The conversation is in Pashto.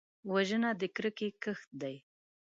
وژنه د کرکې کښت دی